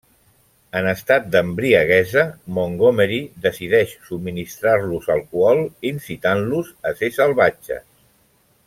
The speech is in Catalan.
En estat d'embriaguesa Montgomery decideix subministrar-los alcohol incitant-los a ser salvatges.